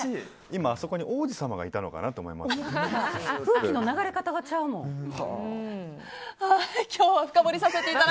今あそこに王子様がいたのかなと思いました。